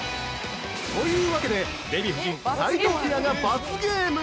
というわけでデヴィ夫人・斉藤ペアが罰ゲーム！